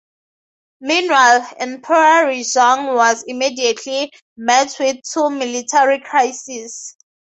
Meanwhile, Emperor Yizong was immediately met with two military crises.